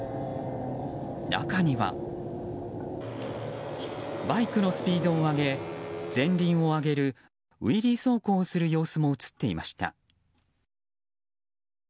中にはバイクのスピードを上げ前輪を上げるウイリー走行をする様子も映っていました。